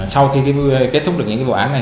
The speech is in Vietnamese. sau khi kết thúc được những vụ án này